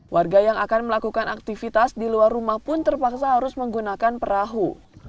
warga yang akan melakukan aktivitas di luar rumah pun terpaksa harus menggunakan perahu